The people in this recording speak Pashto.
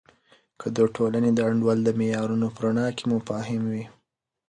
که د ټولنې د انډول د معیارونو په رڼا کې مفاهیم وي.